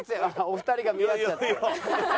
お二人が見合っちゃって。